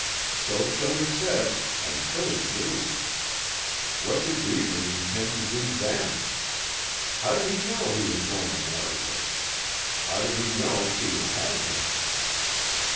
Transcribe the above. So Tilly said, and Tilly knew. What did Reivers intend to do then? How did he know he was going to marry her? How did he know she would have him?